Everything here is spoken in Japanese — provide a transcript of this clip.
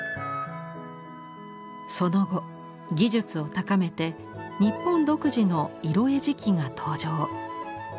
その後技術を高めて日本独自の色絵磁器が登場。